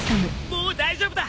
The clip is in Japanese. もう大丈夫だ！